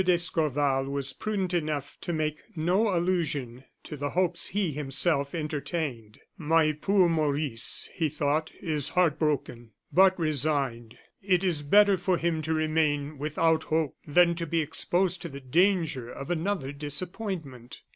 d'Escorval was prudent enough to make no allusion to the hopes he, himself, entertained. "My poor Maurice," he thought, "is heart broken, but resigned. It is better for him to remain without hope than to be exposed to the danger of another disappointment."